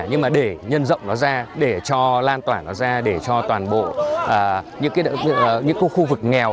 nhưng mà để nhân rộng nó ra để cho lan tỏa nó ra để cho toàn bộ những khu vực nghèo